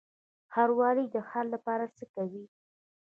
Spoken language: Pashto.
ښاروالي د ښار لپاره څه کوي؟